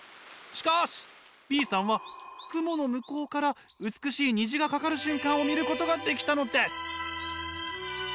しかしＢさんは雲の向こうから美しい虹がかかる瞬間を見ることができたのです。